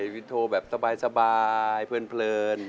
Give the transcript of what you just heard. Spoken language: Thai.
วินโทรแบบสบายเพลิน